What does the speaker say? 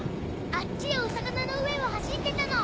あっちでお魚の上を走ってたの！